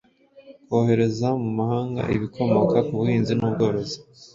kohereza mu mahanga ibikomoka ku Buhinzi n’Ubworozi